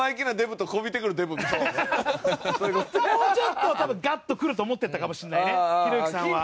もうちょっと多分ガッとくると思ってたかもしれないねひろゆきさんは。